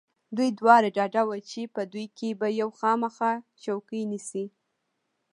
دوی دواړه ډاډه و چې په دوی کې به یو خامخا چوکۍ نیسي.